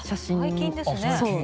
最近ですね。